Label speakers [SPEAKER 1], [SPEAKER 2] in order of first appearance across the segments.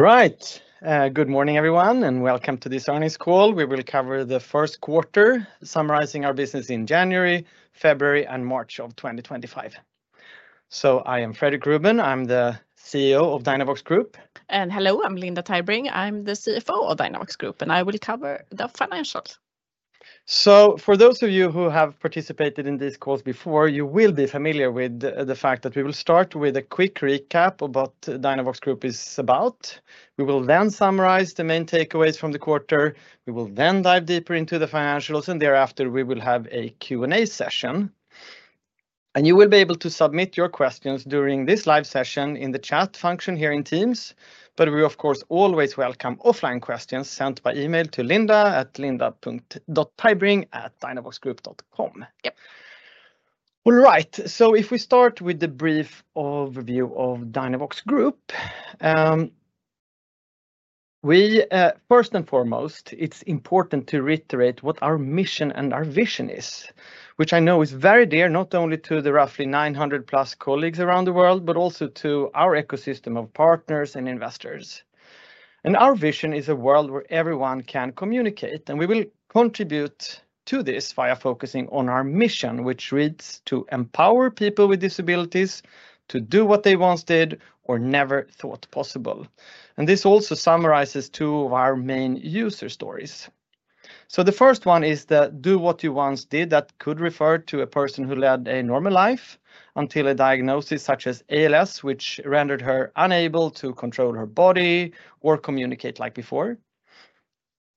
[SPEAKER 1] All right. Good morning, everyone, and welcome to this earnings call. We will cover the first quarter, summarizing our business in January, February, and March of 2025. I am Fredrik Ruben. I'm the CEO of Dynavox Group.
[SPEAKER 2] Hello, I'm Linda Tybring. I'm the CFO of Dynavox Group, and I will cover the financials.
[SPEAKER 1] For those of you who have participated in these calls before, you will be familiar with the fact that we will start with a quick recap of what Dynavox Group is about. We will then summarize the main takeaways from the quarter. We will then dive deeper into the financials, and thereafter, we will have a Q&A session. You will be able to submit your questions during this live session in the chat function here in Teams. We, of course, always welcome offline questions sent by email to linda@linda.tybring@dynavoxgroup.com.
[SPEAKER 2] Yep.
[SPEAKER 1] All right. If we start with the brief overview of Dynavox Group, first and foremost, it's important to reiterate what our mission and our vision is, which I know is very dear, not only to the roughly 900+ colleagues around the world, but also to our ecosystem of partners and investors. Our vision is a world where everyone can communicate. We will contribute to this via focusing on our mission, which reads to empower people with disabilities to do what they once did or never thought possible. This also summarizes two of our main user stories. The first one is the "Do What You Once Did" that could refer to a person who led a normal life until a diagnosis such as ALS, which rendered her unable to control her body or communicate like before.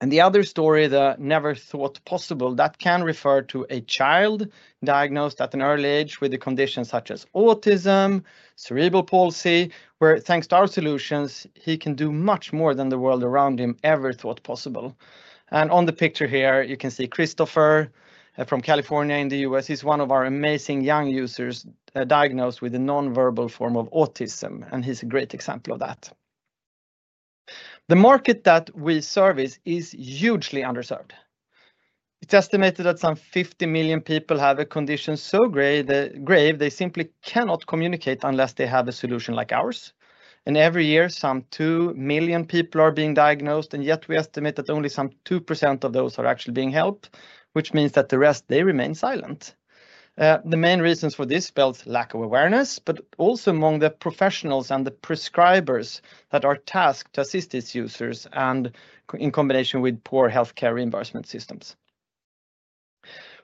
[SPEAKER 1] The other story, the "Never Thought Possible," that can refer to a child diagnosed at an early age with a condition such as autism, cerebral palsy, where, thanks to our solutions, he can do much more than the world around him ever thought possible. On the picture here, you can see Christopher from California in the U.S. He is one of our amazing young users diagnosed with a nonverbal form of autism, and he is a great example of that. The market that we service is hugely underserved. It is estimated that some 50 million people have a condition so grave they simply cannot communicate unless they have a solution like ours. Every year, some 2 million people are being diagnosed, and yet we estimate that only some 2% of those are actually being helped, which means that the rest, they remain silent. The main reasons for this spell lack of awareness, but also among the professionals and the prescribers that are tasked to assist these users and in combination with poor healthcare reimbursement systems.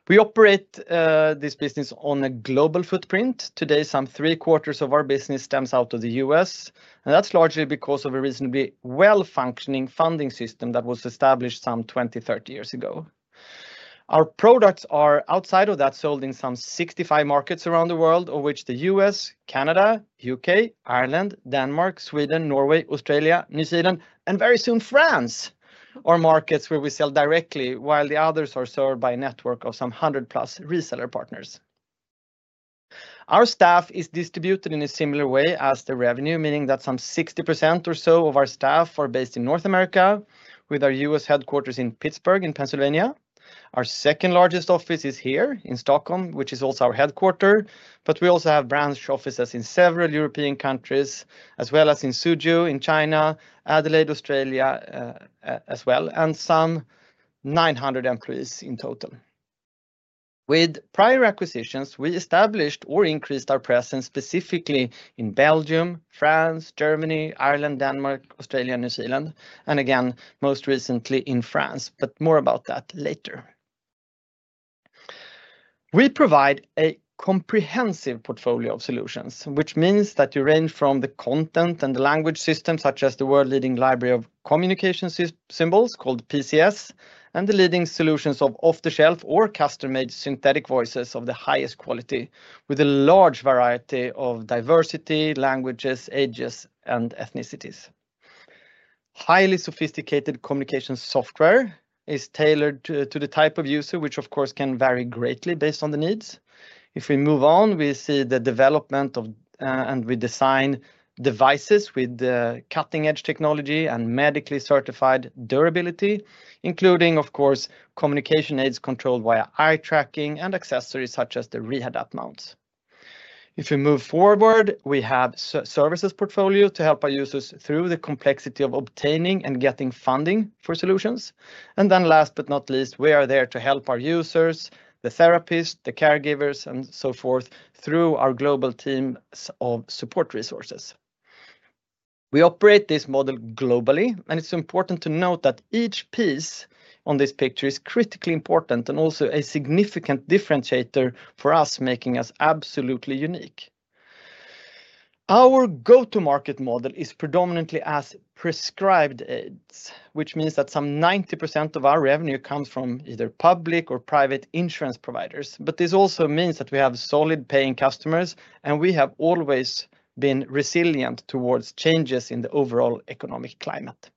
[SPEAKER 1] We operate this business on a global footprint. Today, some three-quarters of our business stems out of the U.S., and that's largely because of a reasonably well-functioning funding system that was established some 20, 30 years ago. Our products are outside of that, sold in some 65 markets around the world, of which the U.S., Canada, U.K., Ireland, Denmark, Sweden, Norway, Australia, New Zealand, and very soon France are markets where we sell directly, while the others are served by a network of some 100+ reseller partners. Our staff is distributed in a similar way as the revenue, meaning that some 60% or so of our staff are based in North America, with our U.S. headquarters in Pittsburgh in Pennsylvania. Our second-largest office is here in Stockholm, which is also our headquarter, but we also have branch offices in several European countries, as well as in Suzhou in China, Adelaide, Australia as well, and some 900 employees in total. With prior acquisitions, we established or increased our presence specifically in Belgium, France, Germany, Ireland, Denmark, Australia, New Zealand, and again, most recently in France, but more about that later. We provide a comprehensive portfolio of solutions, which means that you range from the content and the language systems, such as the world-leading library of communication symbols called PCS, and the leading solutions of off-the-shelf or custom-made synthetic voices of the highest quality, with a large variety of diversity languages, ages, and ethnicities. Highly sophisticated communication software is tailored to the type of user, which, of course, can vary greatly based on the needs. If we move on, we see the development of and we design devices with cutting-edge technology and medically certified durability, including, of course, communication aids controlled via eye tracking and accessories such as the Rehadapt mounts. If we move forward, we have a services portfolio to help our users through the complexity of obtaining and getting funding for solutions. Last but not least, we are there to help our users, the therapists, the caregivers, and so forth through our global teams of support resources. We operate this model globally, and it is important to note that each piece on this picture is critically important and also a significant differentiator for us, making us absolutely unique. Our go-to-market model is predominantly as prescribed aids, which means that some 90% of our revenue comes from either public or private insurance providers. This also means that we have solid paying customers, and we have always been resilient towards changes in the overall economic climate.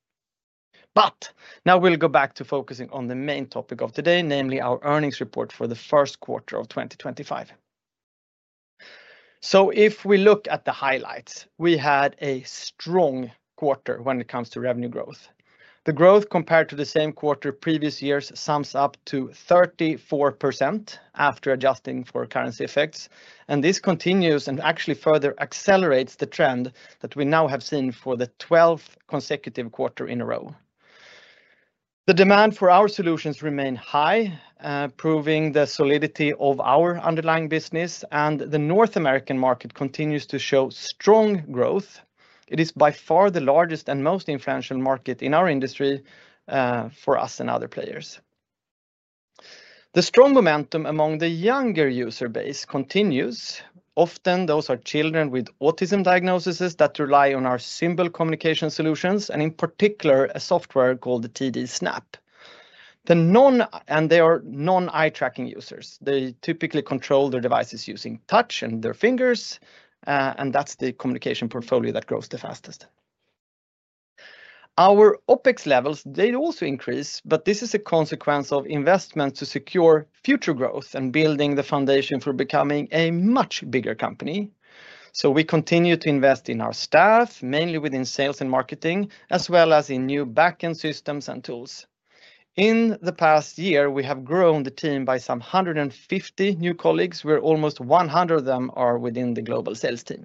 [SPEAKER 1] Now we will go back to focusing on the main topic of today, namely our earnings report for the first quarter of 2025. If we look at the highlights, we had a strong quarter when it comes to revenue growth. The growth compared to the same quarter previous years sums up to 34% after adjusting for currency effects. This continues and actually further accelerates the trend that we now have seen for the 12th consecutive quarter in a row. The demand for our solutions remained high, proving the solidity of our underlying business, and the North American market continues to show strong growth. It is by far the largest and most influential market in our industry for us and other players. The strong momentum among the younger user base continues. Often those are children with autism diagnoses that rely on our simple communication solutions, in particular, a software called TD Snap. They are non-eye tracking users. They typically control their devices using touch and their fingers, and that is the communication portfolio that grows the fastest. Our OpEx levels, they also increase, but this is a consequence of investments to secure future growth and building the foundation for becoming a much bigger company. We continue to invest in our staff, mainly within sales and marketing, as well as in new back-end systems and tools. In the past year, we have grown the team by some 150 new colleagues, where almost 100 of them are within the global sales team.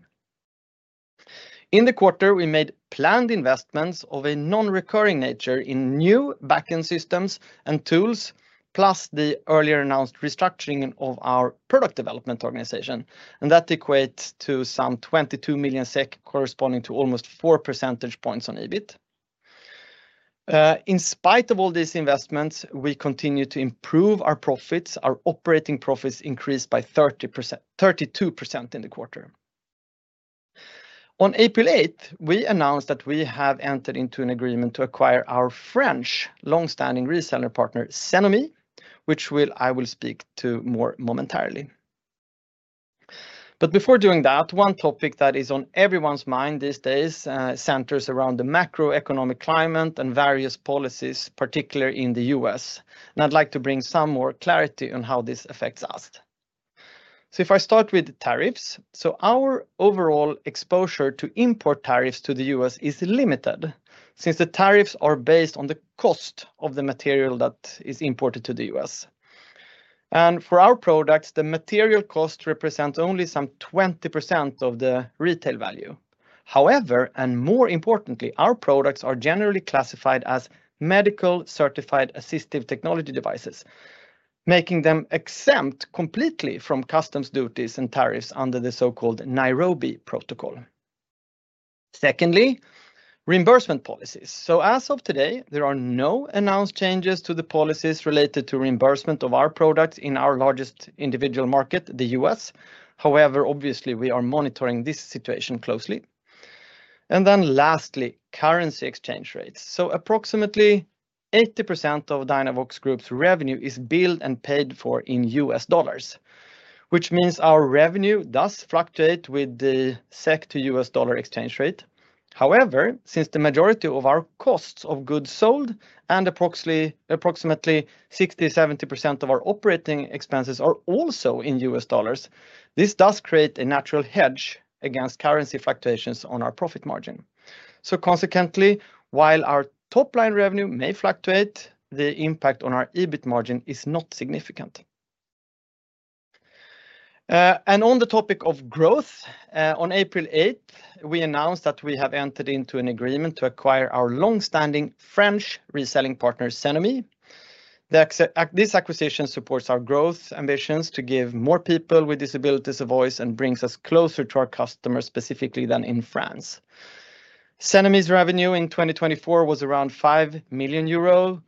[SPEAKER 1] In the quarter, we made planned investments of a non-recurring nature in new back-end systems and tools, plus the earlier announced restructuring of our product development organization. That equates to some 22 million SEK, corresponding to almost 4 percentage points on EBIT. In spite of all these investments, we continue to improve our profits. Our operating profits increased by 32% in the quarter. On April 8th, we announced that we have entered into an agreement to acquire our French long-standing reseller partner, Cenomy, which I will speak to more momentarily. Before doing that, one topic that is on everyone's mind these days centers around the macroeconomic climate and various policies, particularly in the U.S. I'd like to bring some more clarity on how this affects us. If I start with tariffs, our overall exposure to import tariffs to the U.S. is limited since the tariffs are based on the cost of the material that is imported to the U.S. For our products, the material cost represents only some 20% of the retail value. However, and more importantly, our products are generally classified as medical-certified assistive technology devices, making them exempt completely from customs duties and tariffs under the so-called Nairobi Protocol. Secondly, reimbursement policies. As of today, there are no announced changes to the policies related to reimbursement of our products in our largest individual market, the U.S. However, obviously, we are monitoring this situation closely. Lastly, currency exchange rates. Approximately 80% of Dynavox Group's revenue is billed and paid for in U.S. dollars, which means our revenue does fluctuate with the SEK to U.S. dollar exchange rate. However, since the majority of our cost of goods sold and approximately 60%-70% of our operating expenses are also in U.S. dollars, this does create a natural hedge against currency fluctuations on our profit margin. Consequently, while our top-line revenue may fluctuate, the impact on our EBIT margin is not significant. On the topic of growth, on April 8th, we announced that we have entered into an agreement to acquire our long-standing French reselling partner, Cenomy. This acquisition supports our growth ambitions to give more people with disabilities a voice and brings us closer to our customers specifically in France. Cenomy's revenue in 2024 was around 5 million euro.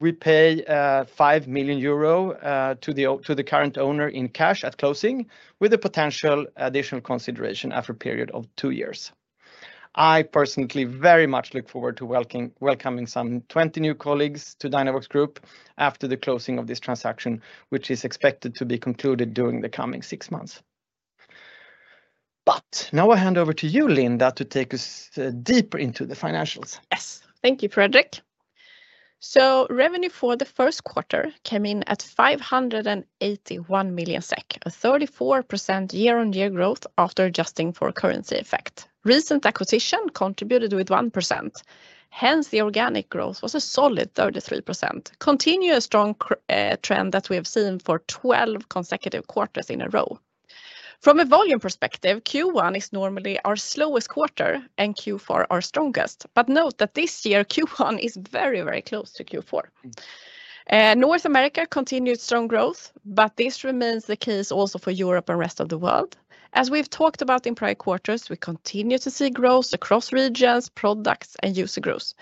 [SPEAKER 1] We pay 5 million euro to the current owner in cash at closing, with a potential additional consideration after a period of two years. I personally very much look forward to welcoming some 20 new colleagues to Dynavox Group after the closing of this transaction, which is expected to be concluded during the coming six months. Now I hand over to you, Linda, to take us deeper into the financials.
[SPEAKER 2] Yes, thank you, Fredrik. Revenue for the first quarter came in at 581 million SEK, a 34% year-on-year growth after adjusting for currency effect. Recent acquisition contributed with 1%. Hence, the organic growth was a solid 33%, continuing a strong trend that we have seen for 12 consecutive quarters in a row. From a volume perspective, Q1 is normally our slowest quarter and Q4 our strongest. Note that this year, Q1 is very, very close to Q4. North America continued strong growth, but this remains the case also for Europe and the rest of the world. As we've talked about in prior quarters, we continue to see growth across regions, products, and user groups.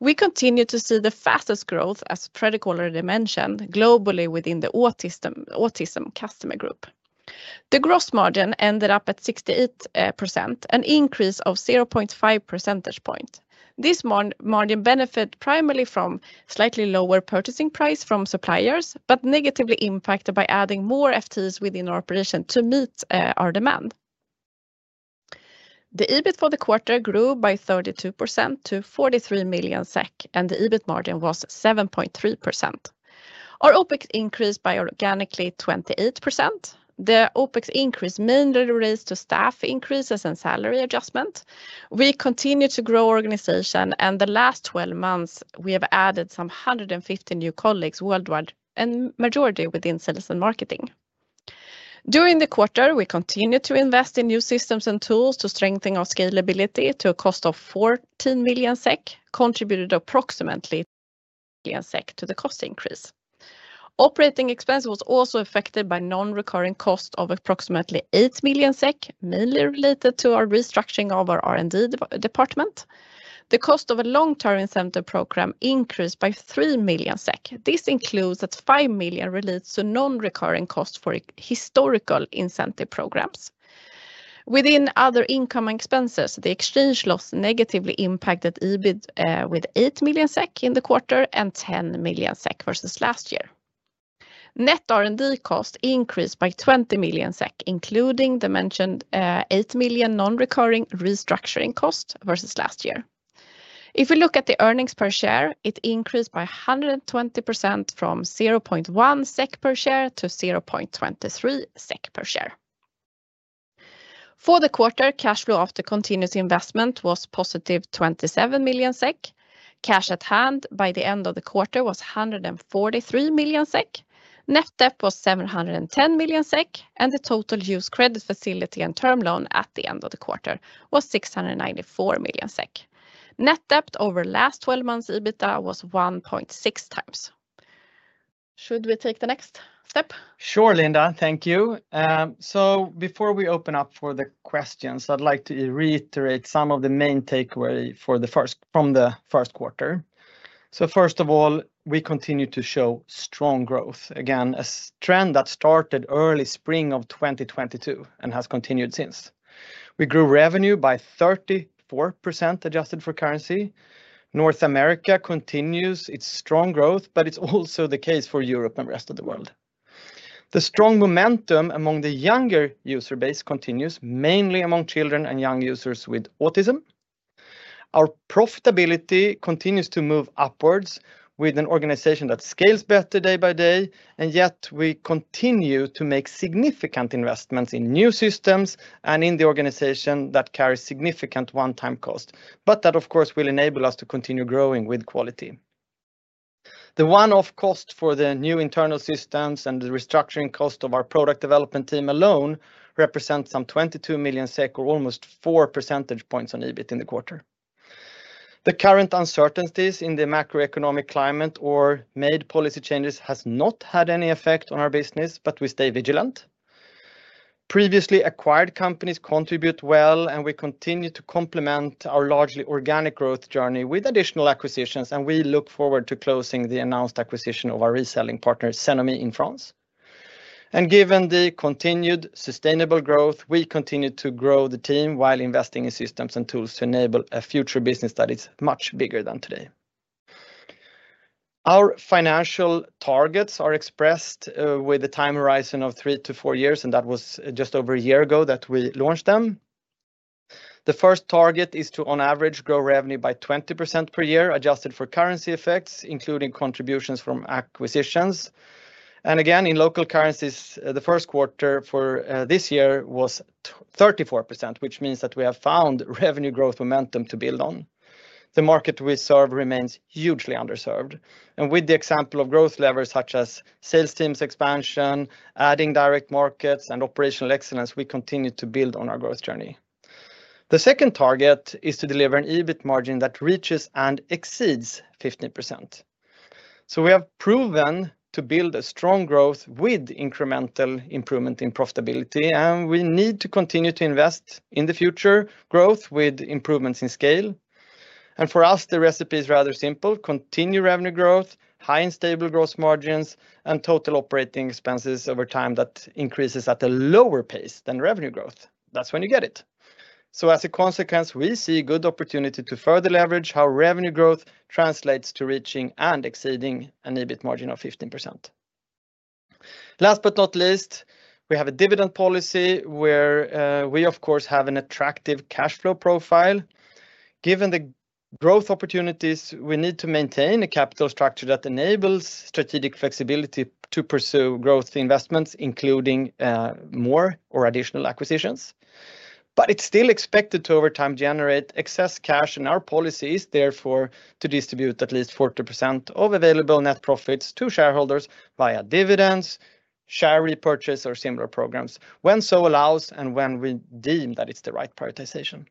[SPEAKER 2] We continue to see the fastest growth, as Fredrik already mentioned, globally within the autism customer group. The gross margin ended up at 68%, an increase of 0.5 percentage points. This margin benefited primarily from slightly lower purchasing prices from suppliers, but negatively impacted by adding more FTEs within our operation to meet our demand. The EBIT for the quarter grew by 32% to 43 million SEK, and the EBIT margin was 7.3%. Our OpEx increased organically by 28%. The OpEx increase mainly relates to staff increases and salary adjustment. We continue to grow our organization, and the last 12 months, we have added some 150 new colleagues worldwide, a majority within sales and marketing. During the quarter, we continued to invest in new systems and tools to strengthen our scalability to a cost of 14 million SEK, contributed approximately 2 million SEK to the cost increase. Operating expenses were also affected by non-recurring costs of approximately 8 million SEK, mainly related to our restructuring of our R&D department. The cost of a long-term incentive program increased by 3 million SEK. This includes that 5 million relates to non-recurring costs for historical incentive programs. Within other incoming expenses, the exchange loss negatively impacted EBIT with 8 million SEK in the quarter and 10 million SEK versus last year. Net R&D cost increased by 20 million SEK, including the mentioned 8 million non-recurring restructuring cost versus last year. If we look at the earnings per share, it increased by 120% from 0.10 SEK per share to 0.23 SEK per share. For the quarter, cash flow after continuous investment was positive 27 million SEK. Cash at hand by the end of the quarter was 143 million SEK. Net debt was 710 million SEK, and the total used credit facility and term loan at the end of the quarter was 694 million SEK. Net debt over the last 12 months' EBITDA was 1.6x. Should we take the next step?
[SPEAKER 1] Sure, Linda, thank you. Before we open up for the questions, I'd like to reiterate some of the main takeaways from the first quarter. First of all, we continue to show strong growth, again, a trend that started early spring of 2022 and has continued since. We grew revenue by 34% adjusted for currency. North America continues its strong growth, but it's also the case for Europe and the rest of the world. The strong momentum among the younger user base continues, mainly among children and young users with autism. Our profitability continues to move upwards with an organization that scales better day by day, and yet we continue to make significant investments in new systems and in the organization that carries significant one-time costs, but that, of course, will enable us to continue growing with quality. The one-off cost for the new internal systems and the restructuring cost of our product development team alone represents some 22 million SEK, or almost 4 percentage points on EBIT in the quarter. The current uncertainties in the macroeconomic climate or made policy changes have not had any effect on our business, but we stay vigilant. Previously acquired companies contribute well, and we continue to complement our largely organic growth journey with additional acquisitions, and we look forward to closing the announced acquisition of our reselling partner, Cenomy, in France. Given the continued sustainable growth, we continue to grow the team while investing in systems and tools to enable a future business that is much bigger than today. Our financial targets are expressed with a time horizon of three to four years, and it was just over a year ago that we launched them. The first target is to, on average, grow revenue by 20% per year, adjusted for currency effects, including contributions from acquisitions. In local currencies, the first quarter for this year was 34%, which means that we have found revenue growth momentum to build on. The market we serve remains hugely underserved. With the example of growth levers such as sales teams expansion, adding direct markets, and operational excellence, we continue to build on our growth journey. The second target is to deliver an EBIT margin that reaches and exceeds 15%. We have proven to build a strong growth with incremental improvement in profitability, and we need to continue to invest in the future growth with improvements in scale. For us, the recipe is rather simple: continue revenue growth, high and stable gross margins, and total operating expenses over time that increases at a lower pace than revenue growth. That is when you get it. As a consequence, we see good opportunity to further leverage how revenue growth translates to reaching and exceeding an EBIT margin of 15%. Last but not least, we have a dividend policy where we, of course, have an attractive cash flow profile. Given the growth opportunities, we need to maintain a capital structure that enables strategic flexibility to pursue growth investments, including more or additional acquisitions. It is still expected to over time generate excess cash in our policies, therefore to distribute at least 40% of available net profits to shareholders via dividends, share repurchase, or similar programs when so allows and when we deem that it is the right prioritization.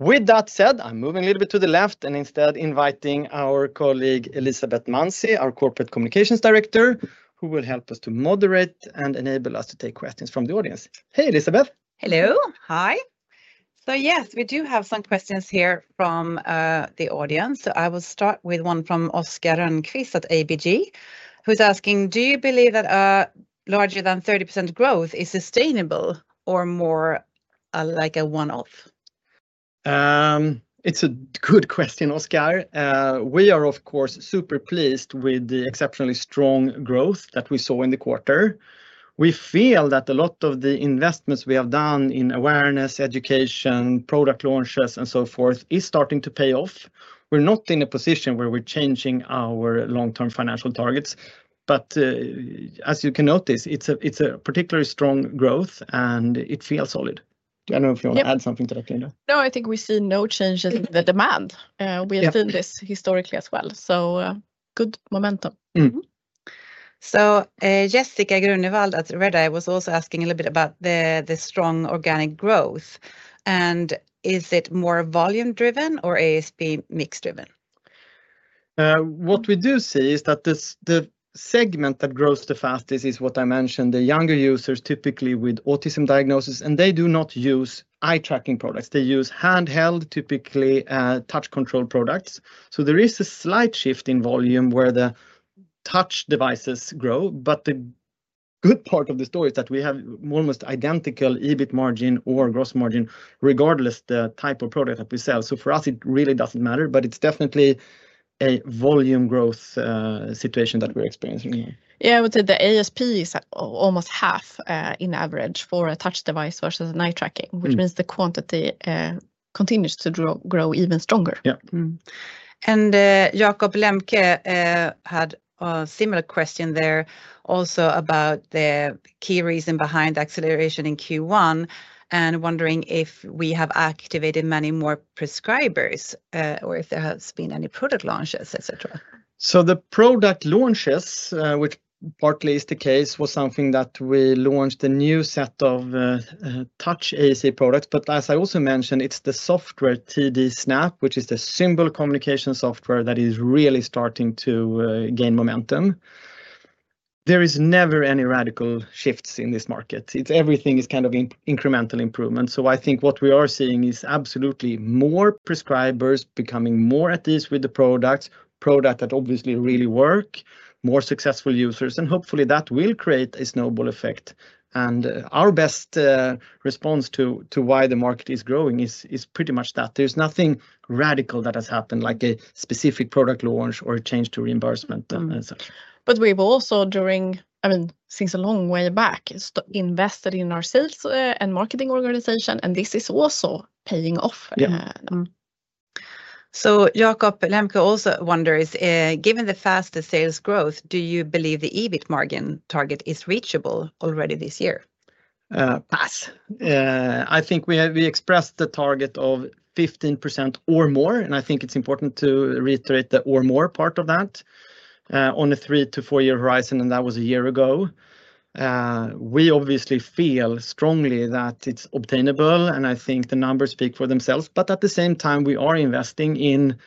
[SPEAKER 1] With that said, I'm moving a little bit to the left and instead inviting our colleague, Elisabeth Manzi, our Corporate Communications Director, who will help us to moderate and enable us to take questions from the audience. Hey, Elisabeth.
[SPEAKER 3] Hello, hi. Yes, we do have some questions here from the audience. I will start with one from Oskar Rönnqvist at ABG, who's asking, do you believe that larger than 30% growth is sustainable or more like a one-off?
[SPEAKER 1] It's a good question, Oskar. We are, of course, super pleased with the exceptionally strong growth that we saw in the quarter. We feel that a lot of the investments we have done in awareness, education, product launches, and so forth is starting to pay off. We're not in a position where we're changing our long-term financial targets, but as you can notice, it's a particularly strong growth and it feels solid. I don't know if you want to add something to that, Linda.
[SPEAKER 2] No, I think we see no change in the demand. We have seen this historically as well. Good momentum.
[SPEAKER 3] Jessica Grunewald at Redeye was also asking a little bit about the strong organic growth. Is it more volume-driven or ASP mix-driven?
[SPEAKER 1] What we do see is that the segment that grows the fastest is what I mentioned, the younger users, typically with autism diagnosis, and they do not use eye tracking products. They use handheld, typically touch control products. There is a slight shift in volume where the touch devices grow, but the good part of the story is that we have almost identical EBIT margin or gross margin regardless of the type of product that we sell. For us, it really doesn't matter, but it's definitely a volume growth situation that we're experiencing.
[SPEAKER 2] Yeah, I would say the ASP is almost half in average for a touch device versus an eye tracking, which means the quantity continues to grow even stronger.
[SPEAKER 1] Yeah.
[SPEAKER 3] Jakob Lemke had a similar question there also about the key reason behind acceleration in Q1 and wondering if we have activated many more prescribers or if there has been any product launches, etc.
[SPEAKER 1] The product launches, which partly is the case, was something that we launched a new set of touch AC products, but as I also mentioned, it's the software TD Snap, which is the symbol communication software that is really starting to gain momentum. There are never any radical shifts in this market. Everything is kind of incremental improvement. I think what we are seeing is absolutely more prescribers becoming more at ease with the products, products that obviously really work, more successful users, and hopefully that will create a snowball effect. Our best response to why the market is growing is pretty much that. There's nothing radical that has happened like a specific product launch or a change to reimbursement.
[SPEAKER 2] We have also, during, I mean, since a long way back, invested in our sales and marketing organization, and this is also paying off.
[SPEAKER 3] Jakob Lemke also wonders, given the fast sales growth, do you believe the EBIT margin target is reachable already this year?
[SPEAKER 1] I think we expressed the target of 15% or more, and I think it's important to reiterate the or more part of that on a three to four-year horizon, and that was a year ago. We obviously feel strongly that it's obtainable, and I think the numbers speak for themselves. At the same time, we are investing in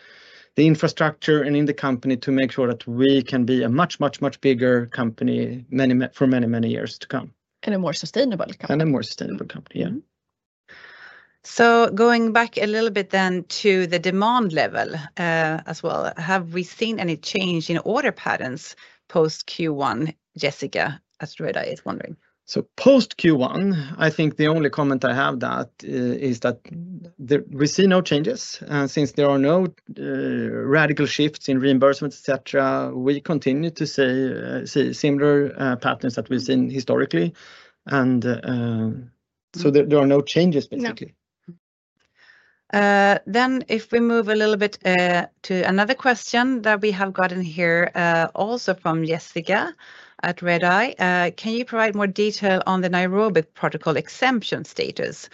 [SPEAKER 1] the infrastructure and in the company to make sure that we can be a much, much, much bigger company for many, many years to come.
[SPEAKER 2] A more sustainable company.
[SPEAKER 1] A more sustainable company, yeah.
[SPEAKER 3] Going back a little bit then to the demand level as well, have we seen any change in order patterns post Q1? Jessica at Redeye is wondering.
[SPEAKER 1] Post Q1, I think the only comment I have is that we see no changes. Since there are no radical shifts in reimbursement, etc., we continue to see similar patterns that we've seen historically. There are no changes, basically.
[SPEAKER 3] If we move a little bit to another question that we have gotten here also from Jessica at Redeye, can you provide more detail on the Nairobi Protocol exemption status?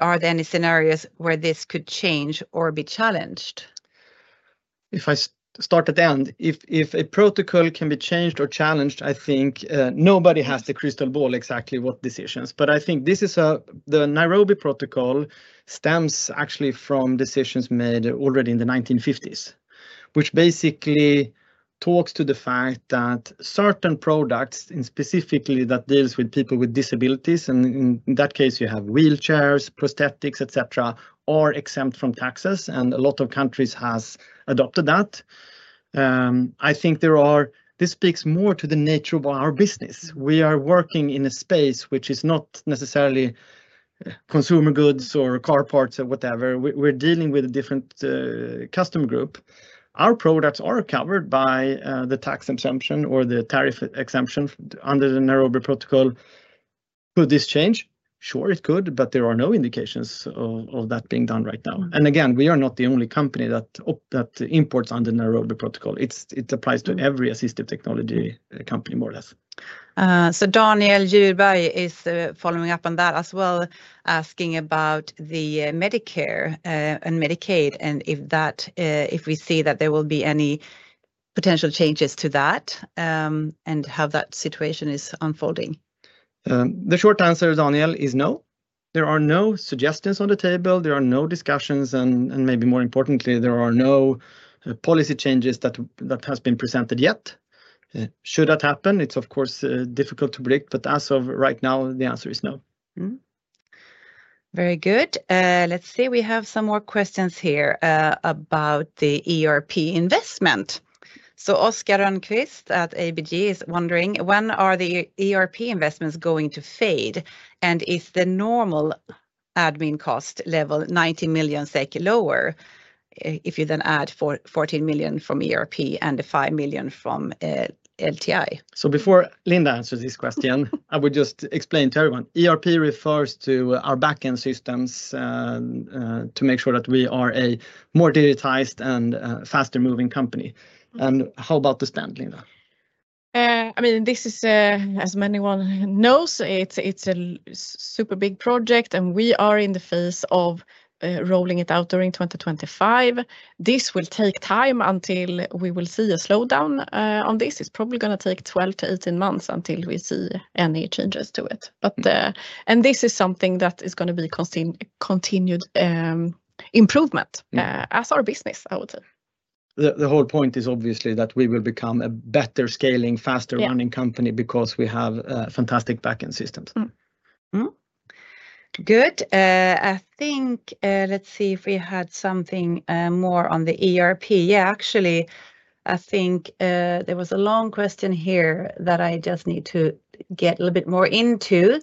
[SPEAKER 3] Are there any scenarios where this could change or be challenged?
[SPEAKER 1] If I start at the end, if a protocol can be changed or challenged, I think nobody has the crystal ball exactly what decisions. I think this is the Nairobi Protocol stems actually from decisions made already in the 1950s, which basically talks to the fact that certain products, specifically that deal with people with disabilities, and in that case, you have wheelchairs, prosthetics, etc., are exempt from taxes, and a lot of countries have adopted that. I think this speaks more to the nature of our business. We are working in a space which is not necessarily consumer goods or car parts or whatever. We are dealing with a different customer group. Our products are covered by the tax exemption or the tariff exemption under the Nairobi Protocol. Could this change? Sure, it could, but there are no indications of that being done right now. We are not the only company that imports under the Nairobi Protocol. It applies to every assistive technology company, more or less.
[SPEAKER 3] Daniel Djurberg is following up on that as well, asking about the Medicare and Medicaid and if we see that there will be any potential changes to that and how that situation is unfolding.
[SPEAKER 1] The short answer, Daniel, is no. There are no suggestions on the table. There are no discussions, and maybe more importantly, there are no policy changes that have been presented yet. Should that happen, it's of course difficult to predict, but as of right now, the answer is no.
[SPEAKER 3] Very good. Let's see, we have some more questions here about the ERP investment. Oskar Rönnqvist at ABG is wondering, when are the ERP investments going to fade? Is the normal admin cost level 90 million SEK lower if you then add 14 million from ERP and 5 million from LTI?
[SPEAKER 1] Before Linda answers this question, I would just explain to everyone, ERP refers to our backend systems to make sure that we are a more digitized and faster-moving company. How about the spend, Linda?
[SPEAKER 2] I mean, this is, as many know, it's a super big project, and we are in the phase of rolling it out during 2025. This will take time until we will see a slowdown on this. It's probably going to take 12-18 months until we see any changes to it. This is something that is going to be continued improvement as our business, I would say.
[SPEAKER 1] The whole point is obviously that we will become a better scaling, faster-running company because we have fantastic backend systems.
[SPEAKER 3] Good. I think, let's see if we had something more on the ERP. Yeah, actually, I think there was a long question here that I just need to get a little bit more into.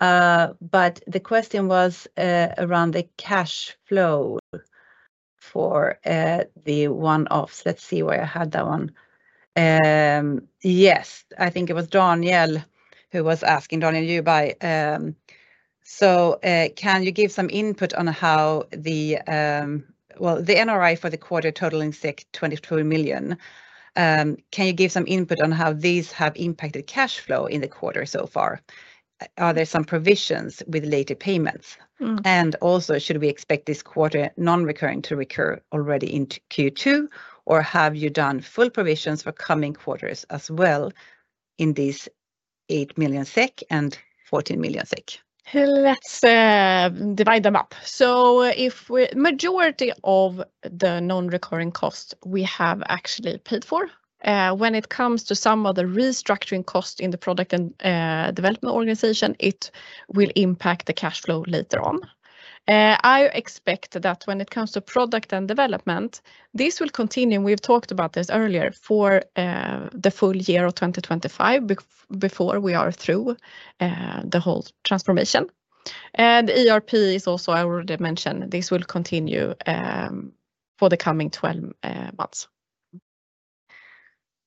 [SPEAKER 3] The question was around the cash flow for the one-offs. Let's see where I had that one. Yes, I think it was Daniel who was asking, Daniel Djurberg. Can you give some input on how the, well, the NRI for the quarter totaling 24 million? Can you give some input on how these have impacted cash flow in the quarter so far? Are there some provisions with later payments? Also, should we expect this quarter non-recurring to recur already into Q2? Or have you done full provisions for coming quarters as well in these 8 million SEK and 14 million SEK?
[SPEAKER 2] Let's divide them up. If we have a majority of the non-recurring costs, we have actually paid for, when it comes to some of the restructuring costs in the product and development organization, it will impact the cash flow later on. I expect that when it comes to product and development, this will continue. We've talked about this earlier for the full year of 2025 before we are through the whole transformation. The ERP is also, I already mentioned, this will continue for the coming 12 months.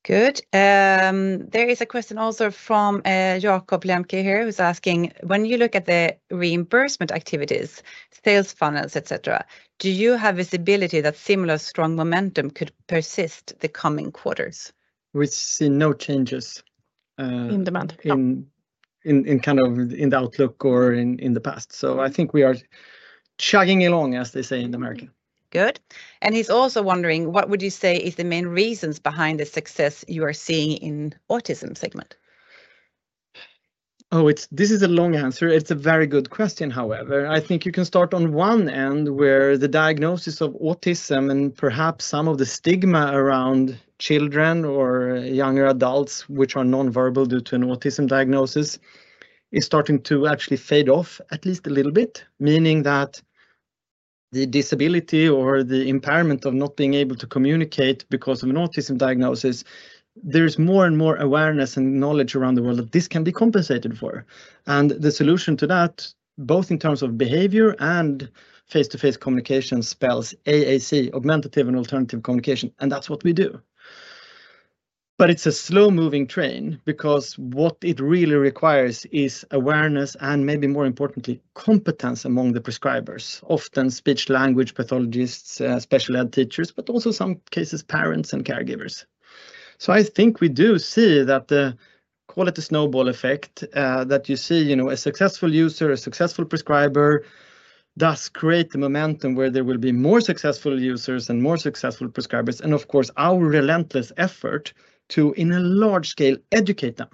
[SPEAKER 3] Good. There is a question also from Jakob Lemke here who's asking, when you look at the reimbursement activities, sales funnels, etc., do you have visibility that similar strong momentum could persist the coming quarters?
[SPEAKER 1] We see no changes.
[SPEAKER 2] In demand.
[SPEAKER 1] In the outlook or in the past. I think we are chugging along, as they say in America.
[SPEAKER 3] Good. He is also wondering, what would you say is the main reasons behind the success you are seeing in the autism segment?
[SPEAKER 1] Oh, this is a long answer. It's a very good question, however. I think you can start on one end where the diagnosis of autism and perhaps some of the stigma around children or younger adults, which are non-verbal due to an autism diagnosis, is starting to actually fade off at least a little bit, meaning that the disability or the impairment of not being able to communicate because of an autism diagnosis, there is more and more awareness and knowledge around the world that this can be compensated for. The solution to that, both in terms of behavior and face-to-face communication, spells AAC, augmentative and alternative communication, and that's what we do. It's a slow-moving train because what it really requires is awareness and maybe more importantly, competence among the prescribers, often speech-language pathologists, special ed teachers, but also in some cases, parents and caregivers. I think we do see that the, call it a snowball effect, that you see, you know, a successful user, a successful prescriber does create the momentum where there will be more successful users and more successful prescribers. Of course, our relentless effort to, in a large scale, educate them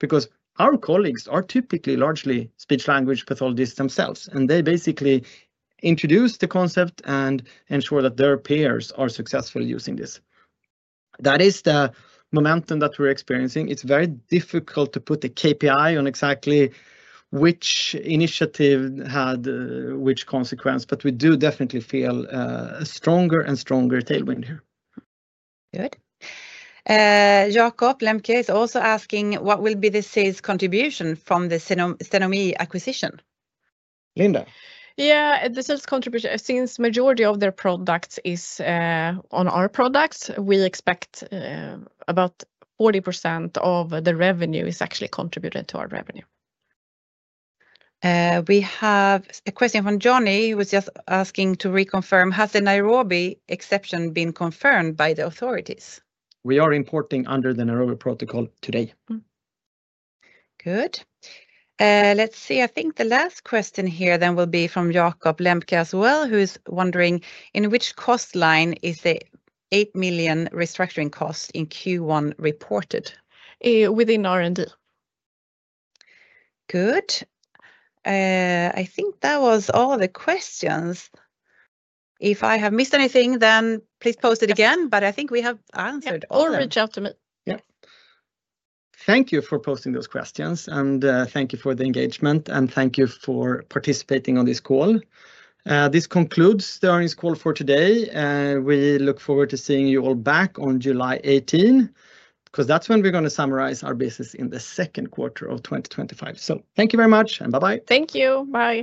[SPEAKER 1] because our colleagues are typically largely speech-language pathologists themselves, and they basically introduce the concept and ensure that their peers are successful using this. That is the momentum that we're experiencing. It's very difficult to put a KPI on exactly which initiative had which consequence, but we do definitely feel a stronger and stronger tailwind here.
[SPEAKER 3] Good. Jakob Lemke is also asking, what will be the sales contribution from the Cenomy acquisition?
[SPEAKER 1] Linda.
[SPEAKER 2] Yeah, the sales contribution, since the majority of their products is on our products, we expect about 40% of the revenue is actually contributed to our revenue.
[SPEAKER 3] We have a question from Johnny who was just asking to reconfirm, has the Nairobi exception been confirmed by the authorities?
[SPEAKER 1] We are importing under the Nairobi Protocol today.
[SPEAKER 3] Good. Let's see, I think the last question here then will be from Jakob Lemke as well, who's wondering, in which cost line is the 8 million restructuring cost in Q1 reported?
[SPEAKER 2] Within R&D.
[SPEAKER 3] Good. I think that was all the questions. If I have missed anything, then please post it again, but I think we have answered all of them.
[SPEAKER 2] Or reach out to me.
[SPEAKER 1] Yeah. Thank you for posting those questions, and thank you for the engagement, and thank you for participating on this call. This concludes the earnings call for today. We look forward to seeing you all back on July 18 because that's when we're going to summarize our business in the second quarter of 2025. Thank you very much, and bye-bye.
[SPEAKER 2] Thank you. Bye.